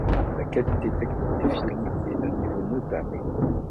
La qualité technique des films est d’un niveau notable.